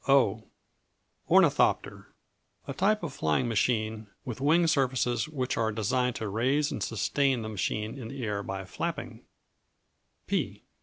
O Ornithopter A type of flying machine with wing surfaces which are designed to raise and sustain the machine in the air by flapping.